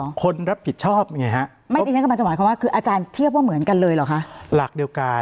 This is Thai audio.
ก็มีคนรับผิดชอบไงฮะ